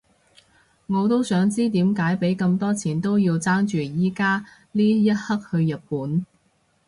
我都想知點解畀咁多錢都要爭住而家呢一刻去日本